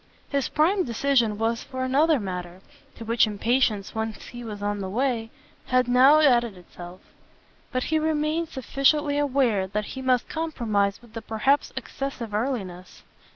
His prime decision was for another matter, to which impatience, once he was on the way, had now added itself; but he remained sufficiently aware that he must compromise with the perhaps excessive earliness.